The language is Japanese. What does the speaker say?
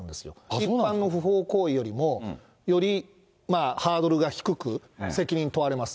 一般の不法行為よりも、よりハードルが低く、責任問われます。